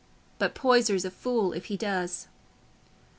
But Poyser's a fool if he does."